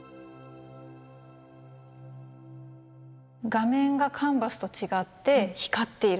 画面がカンバスと違って光っているということです。